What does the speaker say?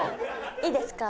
いいですか？